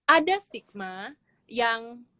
ada stigma yang